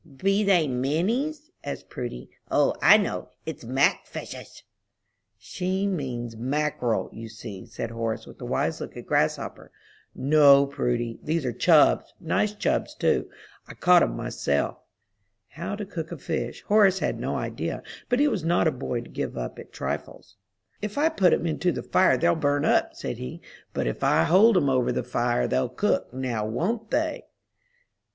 "Be they minnies?" asked Prudy. "O, I know; it's mack fishes!" "She means mackerel, you see," said Horace, with a wise look at Grasshopper. "No, Prudy, these are chubbs, nice chubbs, too; I caught 'em myself." How to cook a fish, Horace had no idea, but he was not a boy to give up at trifles. "If I put 'em into the fire they'll burn up," said he; "but if I hold 'em over the fire they'll cook; now won't they?"